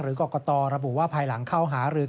กรกตระบุว่าภายหลังเข้าหารือ